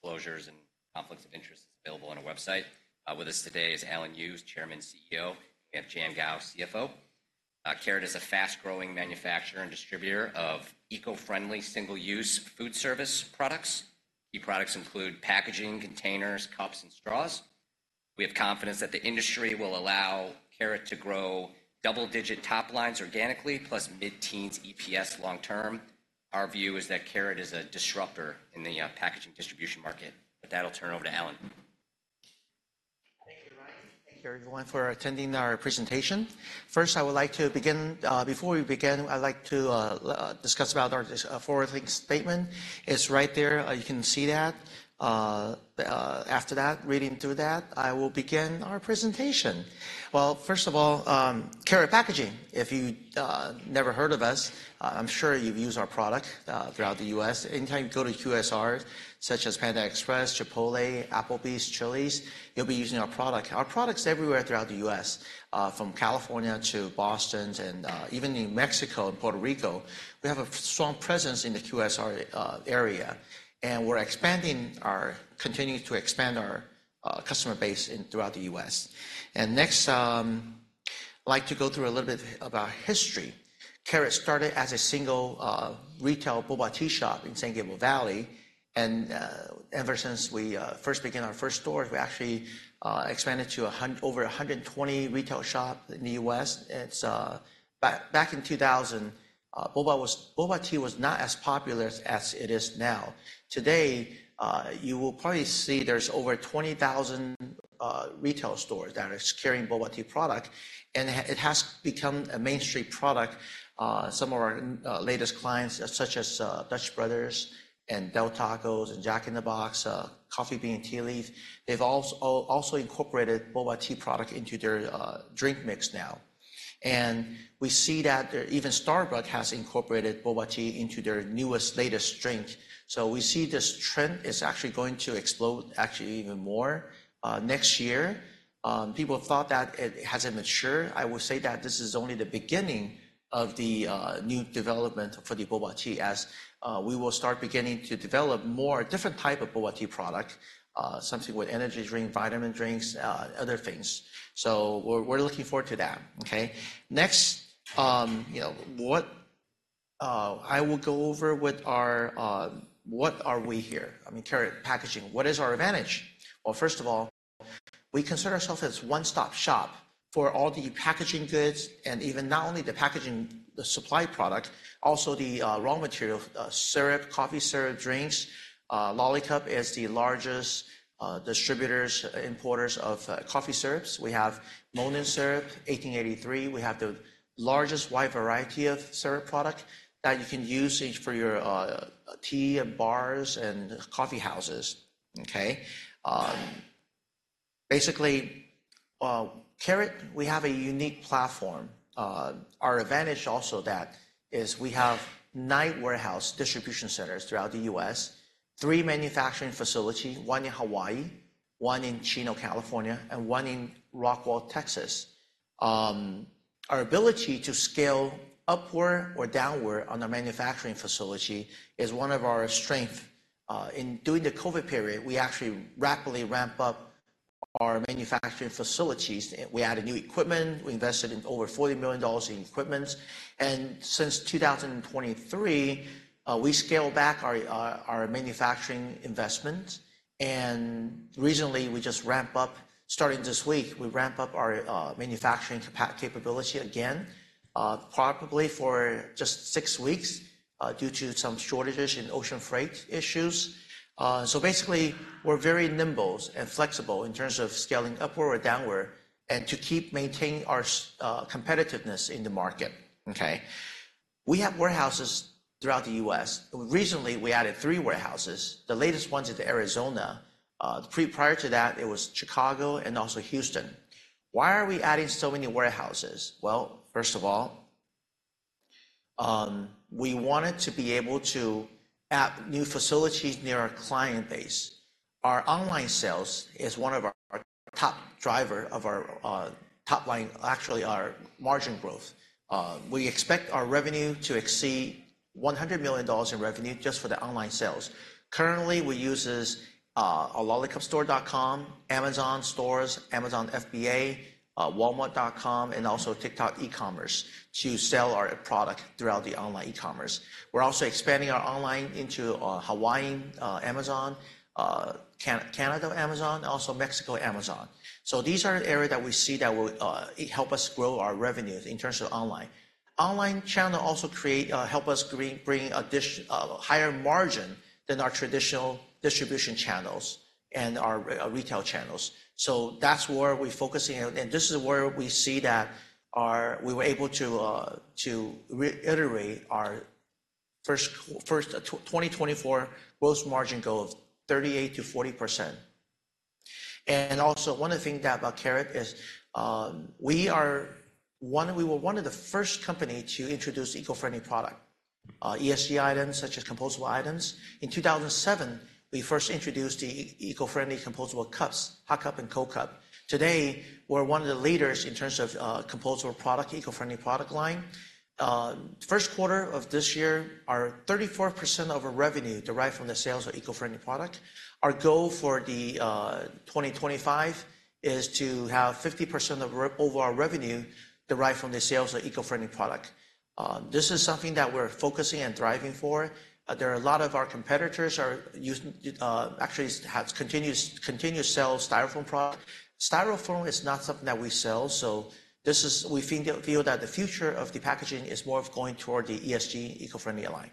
Disclosures and conflicts of interest is available on our website. With us today is Alan Yu, who's Chairman and CEO. We have Jian Guo, CFO. Karat is a fast-growing manufacturer and distributor of eco-friendly, single-use food service products. Key products include packaging, containers, cups, and straws. We have confidence that the industry will allow Karat to grow double-digit top lines organically, plus mid-teens EPS long term. Our view is that Karat is a disruptor in the packaging distribution market. With that, I'll turn it over to Alan. Thank you, Ryan. Thank you, everyone, for attending our presentation. First, I would like to begin, before we begin, I'd like to, discuss about our, forward-looking statement. It's right there. You can see that. After that, reading through that, I will begin our presentation. Well, first of all, Karat Packaging, if you never heard of us, I'm sure you've used our product, throughout the U.S. Anytime you go to QSR, such as Panda Express, Chipotle, Applebee's, Chili's, you'll be using our product. Our product's everywhere throughout the U.S., from California to Boston and, even in Mexico and Puerto Rico. We have a strong presence in the QSR area, and we're expanding our—continuing to expand our, customer base in, throughout the U.S. And next, I'd like to go through a little bit of our history. Karat started as a single retail boba tea shop in San Gabriel Valley, and ever since we first began our first store, we actually expanded to over 120 retail shop in the U.S. Back in 2000, boba was, boba tea was not as popular as it is now. Today, you will probably see there's over 20,000 retail stores that are carrying boba tea product, and it has become a mainstream product. Some of our latest clients, such as Dutch Bros and Del Taco and Jack in the Box, The Coffee Bean & Tea Leaf, they've also also incorporated boba tea product into their drink mix now. And we see that even Starbucks has incorporated boba tea into their newest, latest drink. So we see this trend is actually going to explode actually even more, next year. People thought that it hasn't matured. I would say that this is only the beginning of the new development for the boba tea, as we will start beginning to develop more different type of boba tea product, something with energy drink, vitamin drinks, other things. So we're looking forward to that, okay? Next, you know, I will go over what are we here? I mean, Karat Packaging, what is our advantage? Well, first of all, we consider ourself as one-stop shop for all the packaging goods and even not only the packaging, the supply product, also the raw material, syrup, coffee syrup, drinks. Lollicup is the largest distributors, importers of coffee syrups. We have Monin Syrup, 1883. We have the largest wide variety of syrup product that you can use each for your tea and bars and coffee houses, okay? Basically, Karat, we have a unique platform. Our advantage also that is we have 9 warehouse distribution centers throughout the U.S., 3 manufacturing facility, 1 in Hawaii, 1 in Chino, California, and 1 in Rockwall, Texas. Our ability to scale upward or downward on our manufacturing facility is 1 of our strength. During the COVID period, we actually rapidly ramp up our manufacturing facilities. We added new equipment. We invested in over $40 million in equipment. Since 2023, we scaled back our our manufacturing investment, and recently, we just ramp up, starting this week, we ramp up our manufacturing capability again, probably for just 6 weeks, due to some shortages in ocean freight issues. So basically, we're very nimble and flexible in terms of scaling upward or downward and to keep maintaining our competitiveness in the market, okay? We have warehouses throughout the U.S. Recently, we added 3 warehouses. The latest one's in Arizona. Prior to that, it was Chicago and also Houston. Why are we adding so many warehouses? Well, first of all, we wanted to be able to add new facilities near our client base. Our online sales is one of our our top driver of our top line, actually, our margin growth. We expect our revenue to exceed $100 million in revenue just for the online sales. Currently, we uses Lollicupstore.com, Amazon stores, Amazon FBA, Walmart.com, and also TikTok e-commerce to sell our product throughout the online e-commerce. We're also expanding our online into Hawaii and Amazon Canada, also Mexico Amazon. So these are the area that we see that will help us grow our revenues in terms of online. Online channel also create help us bring additional higher margin than our traditional distribution channels and our retail channels. So that's where we're focusing, and this is where we see that our. We were able to reiterate our first quarter 2024 gross margin goal of 38%-40%. Also, one of the thing that about Karat is, we were one of the first company to introduce eco-friendly product, ESG items such as compostable items. In 2007, we first introduced the eco-friendly compostable cups, hot cup, and cold cup. Today, we're one of the leaders in terms of, compostable product, eco-friendly product line. First quarter of this year, 34% of our revenue derived from the sales of eco-friendly product. Our goal for the, 2025 is to have 50% of overall revenue derived from the sales of eco-friendly product. This is something that we're focusing and thriving for. There are a lot of our competitors are actually has continuous sell Styrofoam product. Styrofoam is not something that we sell, so we feel that the future of the packaging is more of going toward the ESG eco-friendly line.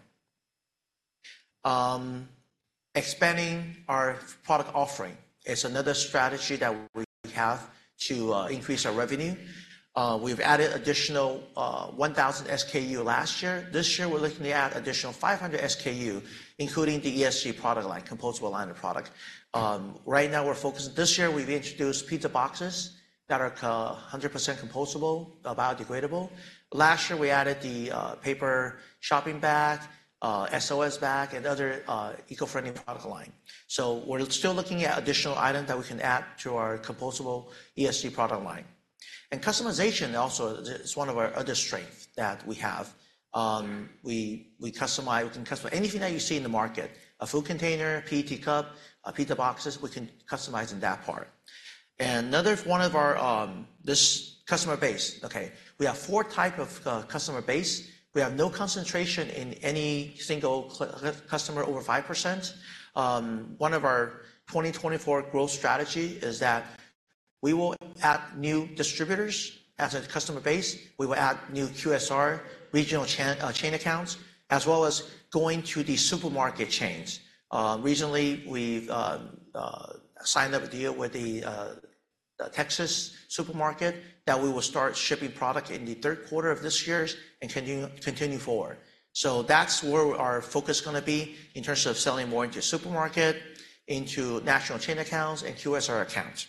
Expanding our product offering is another strategy that we have to increase our revenue. We've added additional 1,000 SKU last year. This year, we're looking to add additional 500 SKU, including the ESG product line, compostable line of product. Right now, we're focused. This year, we've introduced pizza boxes that are 100% compostable, biodegradable. Last year, we added the paper shopping bag, SOS bag, and other eco-friendly product line. So we're still looking at additional items that we can add to our compostable ESG product line. And customization also is one of our other strength that we have. We can customize anything that you see in the market, a food container, PET cup, pizza boxes, we can customize in that part. And another one of our, this customer base, okay? We have four type of customer base. We have no concentration in any single customer, over 5%. One of our 2024 growth strategy is that we will add new distributors as a customer base. We will add new QSR, regional chain, chain accounts, as well as going to the supermarket chains. Recently, we've signed up a deal with the Texas supermarket, that we will start shipping product in the third quarter of this year and continue forward. So that's where our focus gonna be in terms of selling more into supermarket, into national chain accounts, and QSR accounts.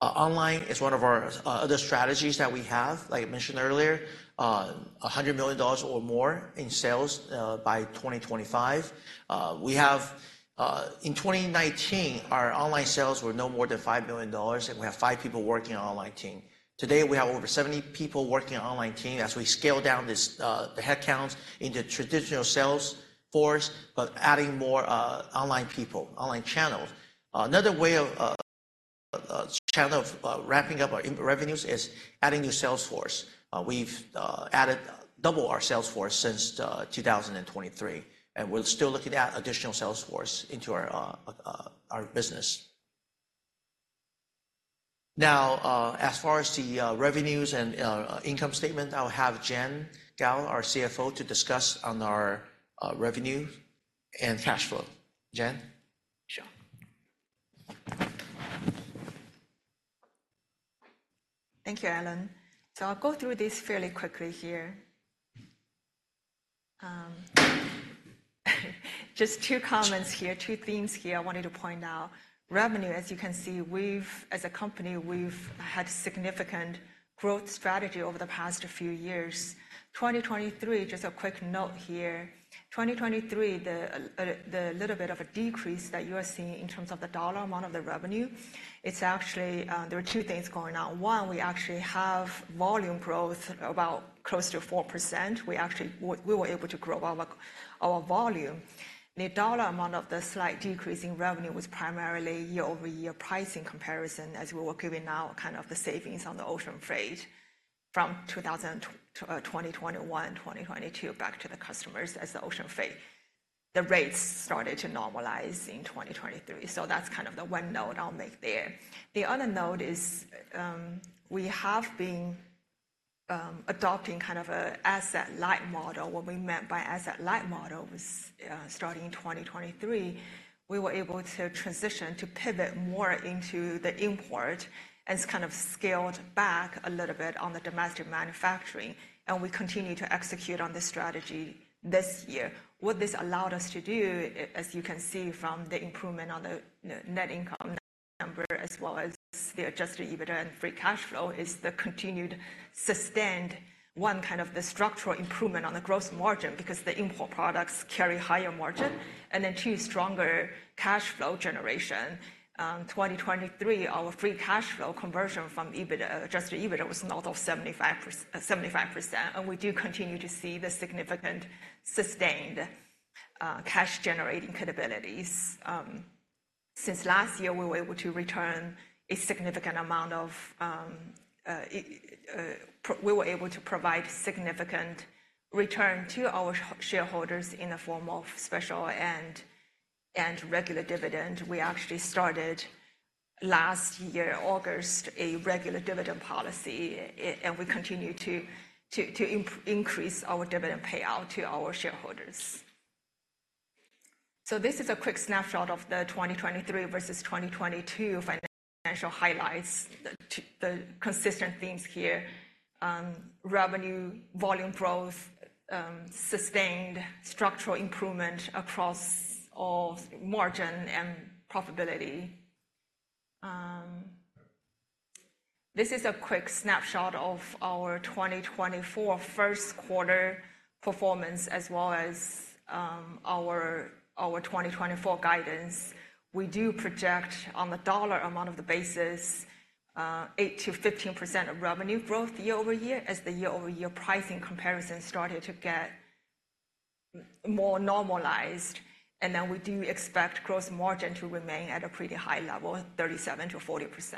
Online is one of our other strategies that we have. Like I mentioned earlier, $100 million or more in sales by 2025. We have, in 2019, our online sales were no more than $5 million, and we have five people working on online team. Today, we have over 70 people working on online team as we scale down this, the headcounts into traditional sales force, but adding more, online people, online channels. Another way of channel of ramping up our revenues is adding new sales force. We've added double our sales force since 2023, and we're still looking to add additional sales force into our business. Now, as far as the revenues and income statement, I'll have Jian Guo, our CFO, to discuss on our revenue and cash flow. Jian, sure. Thank you, Alan. So I'll go through this fairly quickly here. Just two comments here, two themes here I wanted to point out. Revenue, as you can see, we've, as a company, we've had significant growth strategy over the past few years. 2023, just a quick note here. 2023, the little bit of a decrease that you are seeing in terms of the dollar amount of the revenue, it's actually there are two things going on. One, we actually have volume growth about close to 4%. We actually were able to grow our volume. The dollar amount of the slight decrease in revenue was primarily year-over-year pricing comparison, as we were giving out kind of the savings on the ocean freight from 2021, 2022, back to the customers as the ocean freight, the rates started to normalize in 2023. So that's kind of the one note I'll make there. The other note is, we have been adopting kind of an asset-light model. What we meant by asset-light model was, starting in 2023, we were able to transition, to pivot more into the import, and kind of scaled back a little bit on the domestic manufacturing, and we continue to execute on this strategy this year. What this allowed us to do, as you can see from the improvement on the net income number, as well as the adjusted EBITDA and free cash flow, is the continued sustained, one, kind of the structural improvement on the gross margin, because the import products carry higher margin, and then, two, stronger cash flow generation. In 2023, our free cash flow conversion from EBITDA, adjusted EBITDA, was north of 75, 75%, and we do continue to see the significant sustained cash-generating capabilities. Since last year, we were able to provide significant return to our shareholders in the form of special and regular dividend. We actually started last year, August, a regular dividend policy, and we continue to increase our dividend payout to our shareholders. So this is a quick snapshot of the 2023 versus 2022 financial highlights. The consistent themes here: revenue, volume growth, sustained structural improvement across all margin and profitability. This is a quick snapshot of our 2024 first quarter performance, as well as our 2024 guidance. We do project on the dollar amount of the basis, 8%-15% of revenue growth year-over-year, as the year-over-year pricing comparison started to get more normalized. And then we do expect gross margin to remain at a pretty high level, 37%-40%.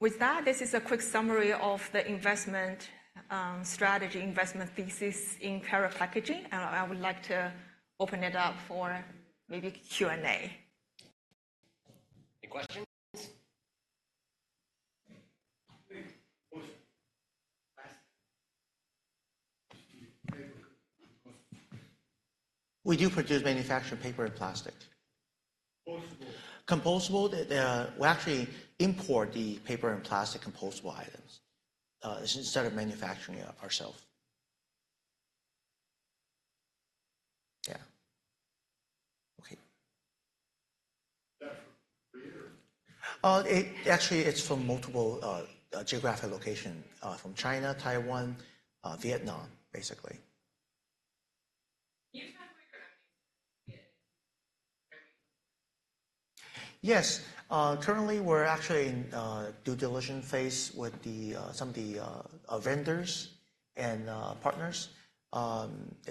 With that, this is a quick summary of the investment strategy, investment thesis in Karat Packaging, and I would like to open it up for maybe Q&A. Any questions? We, question. We do produce manufactured paper and plastic. Compostable? Compostable, we actually import the paper and plastic compostable items, instead of manufacturing it ourselves. Yeah. Okay. Yeah, where? Actually, it's from multiple geographic locations from China, Taiwan, Vietnam, basically. You have manufacturing it? Yes. Currently, we're actually in due diligence phase with some of the vendors and partners.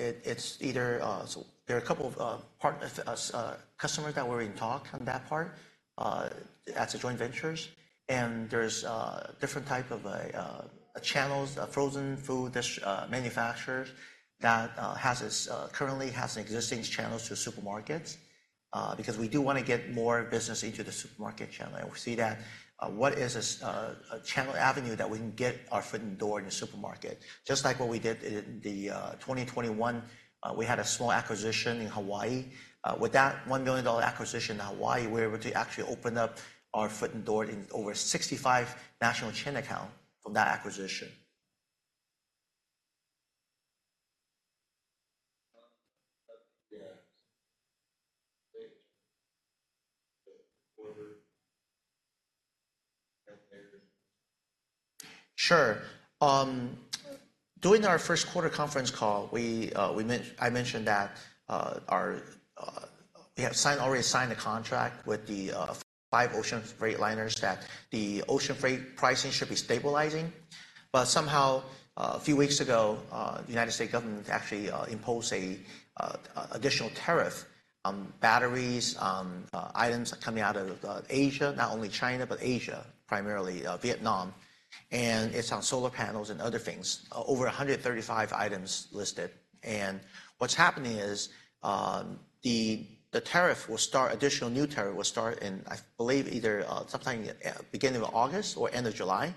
It's either... So there are a couple of customers that we're in talk on as joint ventures. And there's different type of channels, frozen food manufacturers that has currently existing channels to supermarkets. Because we do wanna get more business into the supermarket channel. And we see that what is a channel avenue that we can get our foot in the door in the supermarket? Just like what we did in 2021, we had a small acquisition in Hawaii. With that $1 million acquisition in Hawaii, we're able to actually open up our foot in the door in over 65 national chain account from that acquisition. Uh, yeah. Sure. During our first quarter conference call, we, we mentioned that, our, we have already signed a contract with the five ocean freight liners, that the ocean freight pricing should be stabilizing. But somehow, a few weeks ago, the United States government actually imposed a additional tariff on batteries, items coming out of, Asia, not only China, but Asia, primarily, Vietnam, and it's on solar panels and other things. Over 135 items listed. And what's happening is, the tariff will start, additional new tariff will start in, I believe, either, sometime at, beginning of August or end of July.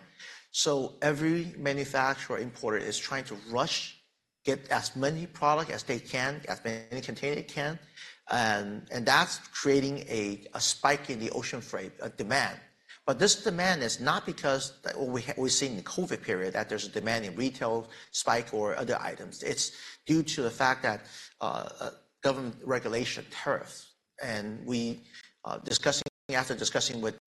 So every manufacturer or importer is trying to rush, get as many product as they can, as many container they can, and that's creating a spike in the ocean freight demand. But this demand is not because we see in the COVID period that there's a demand in retail spike or other items. It's due to the fact that government regulation, tariffs. And we discussing, after discussing with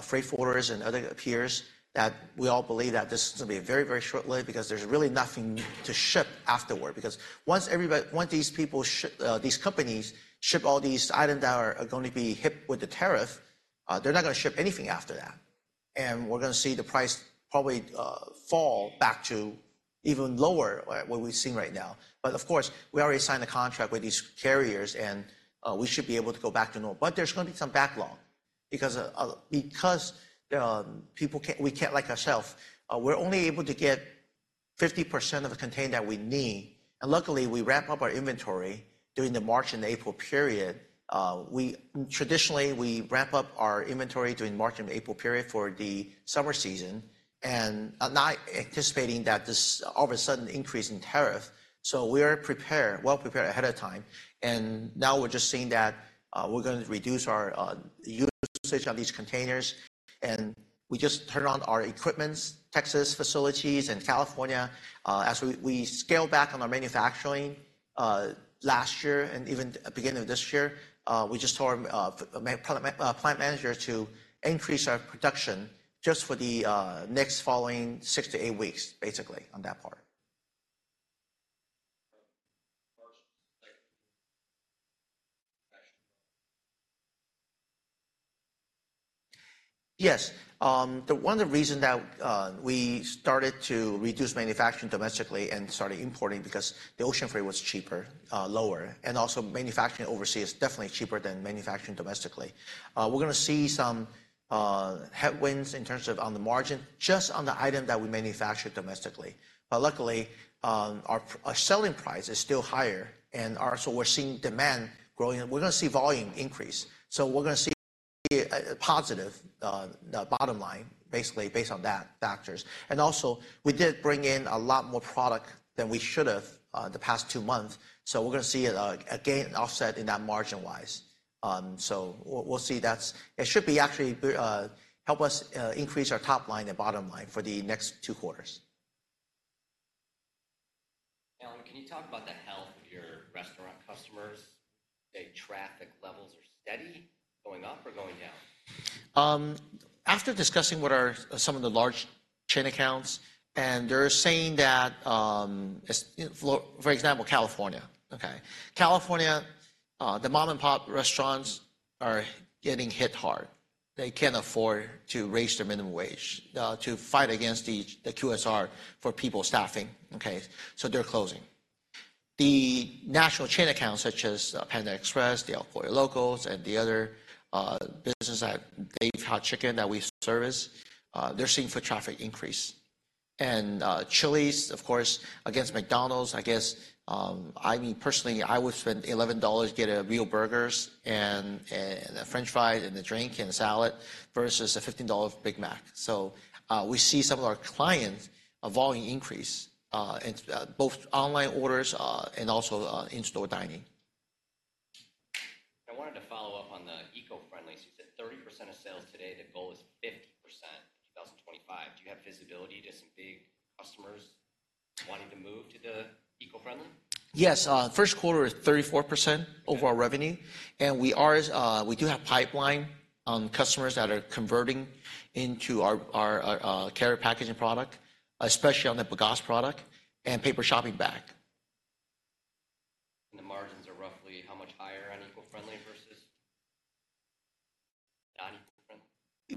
freight forwarders and other peers, that we all believe that this is gonna be a very, very short delay because there's really nothing to ship afterward. Because once these people ship, these companies ship all these items that are gonna be hit with the tariff, they're not gonna ship anything after that. We're gonna see the price probably fall back to even lower than what we've seen right now. But of course, we already signed a contract with these carriers, and we should be able to go back to normal. But there's gonna be some backlog. Because people can't, we can't, like ourself, we're only able to get 50% of the container that we need. And luckily, we wrap up our inventory during the March and April period. Traditionally, we wrap up our inventory during March and April period for the summer season, and not anticipating that this all of a sudden increase in tariff. So we are prepared, well prepared ahead of time, and now we're just seeing that, we're gonna reduce our usage of these containers, and we just turn on our equipments, Texas facilities and California. As we scale back on our manufacturing, last year and even beginning of this year, we just told our plant manager to increase our production just for the next following 6-8 weeks, basically, on that part. Questions? Yes, the one of the reason that we started to reduce manufacturing domestically and started importing, because the ocean freight was cheaper, lower, and also manufacturing overseas is definitely cheaper than manufacturing domestically. We're gonna see some headwinds in terms of on the margin, just on the item that we manufacture domestically. But luckily, our, our selling price is still higher, and our so we're seeing demand growing, and we're gonna see volume increase. So we're gonna see a positive bottom line, basically, based on that factors. And also, we did bring in a lot more product than we should have, the past two months, so we're gonna see a gain offset in that margin-wise. It should be actually help us increase our top line and bottom line for the next two quarters. Can you talk about the health of your restaurant customers? Their traffic levels are steady, going up, or going down? After discussing with our some of the large chain accounts, and they're saying that for example, California, okay? California, the mom-and-pop restaurants are getting hit hard. They can't afford to raise their minimum wage to fight against the QSR for people staffing, okay? So they're closing. The national chain accounts, such as Panda Express, the El Pollo Loco, and the other businesses like Dave's Hot Chicken that we service, they're seeing foot traffic increase. And Chili's, of course, against McDonald's, I guess, I mean, personally, I would spend $11 to get real burgers, and a French fry, and a drink, and a salad versus a $15 Big Mac. So we see some of our clients volume increase in both online orders and also in-store dining. I wanted to follow up on the eco-friendly. So you said 30% of sales today, the goal is 50% in 2025. Do you have visibility to some big customers wanting to move to the eco-friendly? Yes. First quarter is 34%- Okay... overall revenue, and we are, we do have pipeline customers that are converting into our, our, Karat packaging product, especially on the bagasse product and paper shopping bag. The margins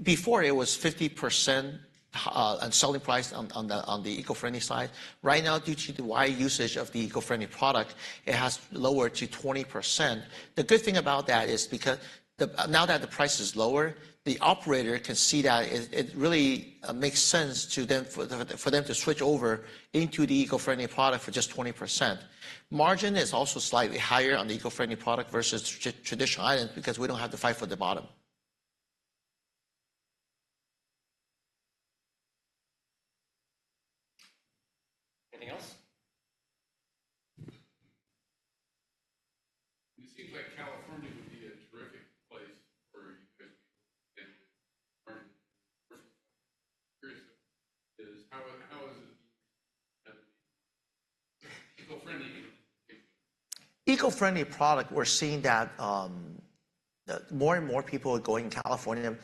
are roughly how much higher on eco-friendly versus non-eco-friendly? Before, it was 50% on selling price on the eco-friendly side. Right now, due to the wide usage of the eco-friendly product, it has lowered to 20%. The good thing about that is because now that the price is lower, the operator can see that it really makes sense to them for them to switch over into the eco-friendly product for just 20%. Margin is also slightly higher on the eco-friendly product versus traditional items because we don't have to fight for the bottom. Anything else? It seems like California would be a terrific place for you because how is eco-friendly? Eco-friendly product, we're seeing that, more and more people are going California.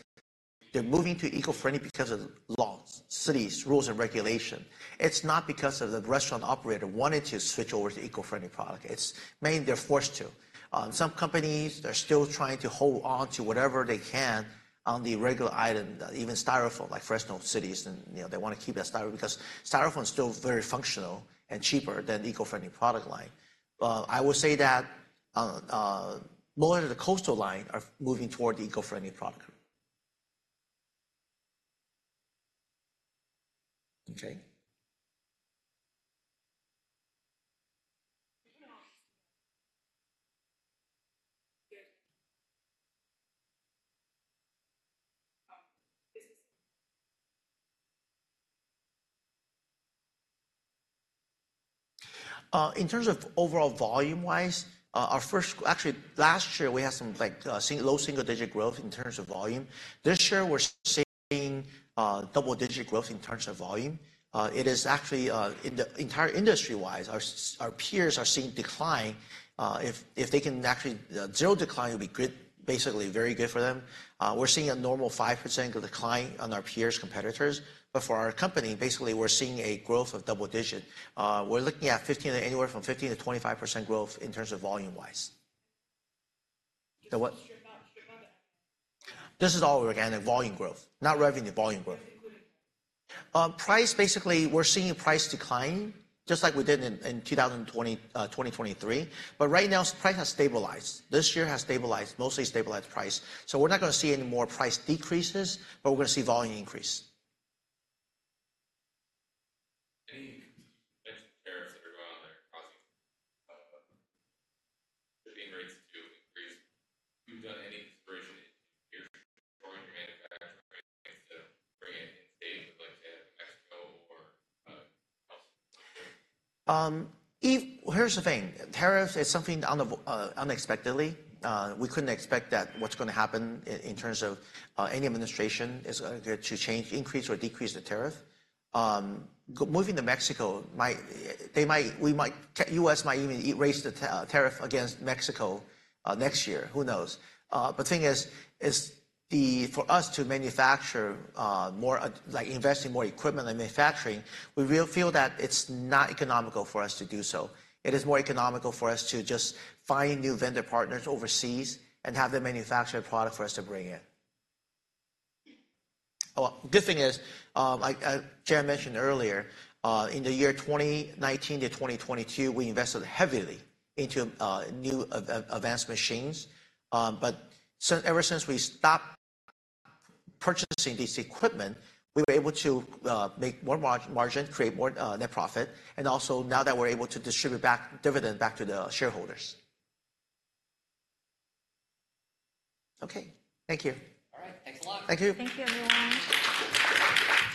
They're moving to eco-friendly because of laws, cities, rules, and regulations. It's not because of the restaurant operator wanted to switch over to eco-friendly product. It's mainly they're forced to. Some companies are still trying to hold on to whatever they can on the regular item, even Styrofoam, like Fresno cities, and, you know, they want to keep that Styrofoam because Styrofoam is still very functional and cheaper than eco-friendly product line. But I would say that, more of the coastal line are moving toward the eco-friendly product. Okay. Yeah. Good. This is- In terms of overall volume-wise, our first—Actually, last year, we had some, like, single, low single-digit growth in terms of volume. This year, we're seeing double-digit growth in terms of volume. It is actually in the entire industry-wise, our peers are seeing decline. If they can actually zero decline, it would be good, basically very good for them. We're seeing a normal 5% decline on our peers, competitors. But for our company, basically, we're seeing a growth of double-digit. We're looking at 15, anywhere from 15%-25% growth in terms of volume-wise. The what? Sure, got it. This is all organic volume growth, not revenue, volume growth. Including? Price, basically, we're seeing a price decline, just like we did in 2020, 2023. But right now, price has stabilized. This year has stabilized, mostly stabilized price. So we're not gonna see any more price decreases, but we're gonna see volume increase. Any effects of tariffs that are going on that are causing, shipping rates to increase? Have you done any exploration in your manufacturing instead of bringing in like Mexico or, elsewhere? Here's the thing. Tariffs is something unexpectedly. We couldn't expect that what's gonna happen in terms of any administration is there to change, increase, or decrease the tariff. Moving to Mexico might, they might, we might, U.S. might even erase the tariff against Mexico next year. Who knows? But the thing is, for us to manufacture more, like investing more equipment in manufacturing, we will feel that it's not economical for us to do so. It is more economical for us to just find new vendor partners overseas and have them manufacture a product for us to bring in. Good thing is, like, Jian mentioned earlier, in the year 2019 to 2022, we invested heavily into new advanced machines. Ever since we stopped purchasing this equipment, we were able to make more margin, create more net profit, and also now that we're able to distribute dividend back to the shareholders. Okay, thank you. All right. Thanks a lot. Thank you. Thank you, everyone.